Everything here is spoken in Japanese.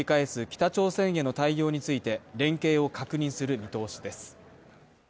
北朝鮮への対応について連携を確認する見通しです。